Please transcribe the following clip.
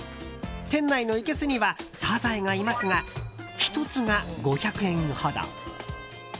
店内のいけすにはサザエがいますが１つが５００円ほど。